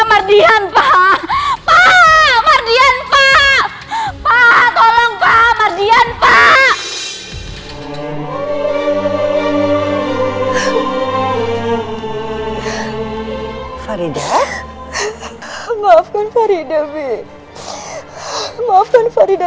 mardian pak pak mardian pak pak tolong pak mardian pak faridah maafkan faridah bi maafkan faridah